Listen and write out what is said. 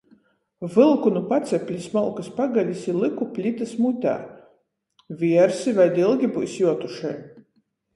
Vylku nu paceplis molkys pagalis i lyku plitys mutē. Viersi vēļ ilgi byus juotušej.